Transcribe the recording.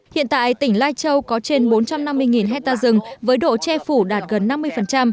hiện tại tỉnh lai châu có trên bốn trăm năm mươi hectare rừng với độ che phủ đạt gần năm mươi